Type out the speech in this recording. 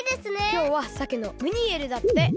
きょうはさけのムニエルだって！